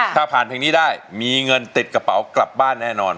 ถ้าผ่านเพลงนี้ได้มีเงินติดกระเป๋ากลับบ้านแน่นอน